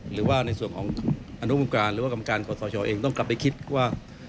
หรือว่าในส่วนของอนุวงการหรือว่ากรรมการขอสชเองต้องกลับไปคิดว่า